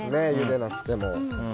ゆでなくても。